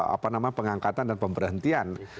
apa nama pengangkatan dan pemberhentian